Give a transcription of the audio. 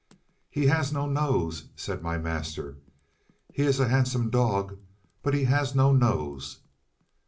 "HE has no nose," said my master; "he is a handsome dog, but he has no nose."